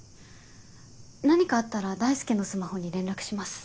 何かあったら大輔のスマホに連絡します。